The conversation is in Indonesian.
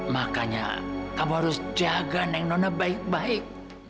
makanya kamu harus jaga neng nona baik baik